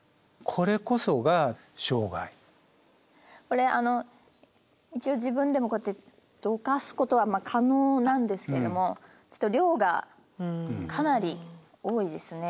これあの一応自分でもこうやってどかすことは可能なんですけどもちょっと量がかなり多いですね。